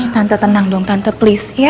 tante tenang dong tante please